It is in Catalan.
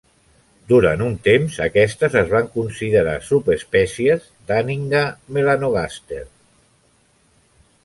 Durant un temps, aquestes es van considerar subespècies d'Anhinga melanogaster.